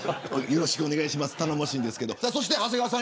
よろしくお願いします。